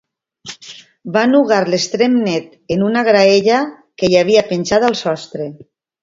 Va nugar l'extrem net en una graella que hi havia penjada al sostre.